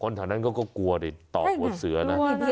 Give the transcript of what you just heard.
คนทางนั้นก็กลัวดิต่อหัวเสือนะ